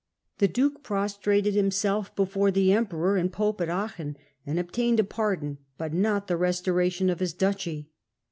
The duke prostrated himself before the emperor and pope at Aachen and obtained a pardon, but not the restoration of his duchy.